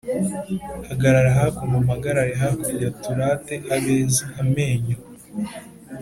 Hagarara hakuno, mpagarare hakurya turate abeza :Amenyo